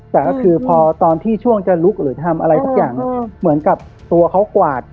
แต่ก็คือพอตอนที่ช่วงจะลุกหรือทำอะไรสักอย่างเหมือนกับตัวเขากวาด